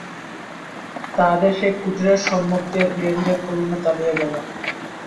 তাহাদের সেই কুটীরের সম্মুখ দিয়া ধীরে ধীরে করুণা চলিয়া গেল।